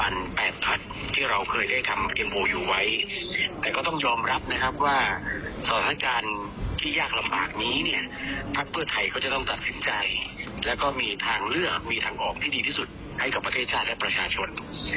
และก็มีทางเลือกมีทางออกที่ดีที่สุดให้กับประเทศชาติและประชาชน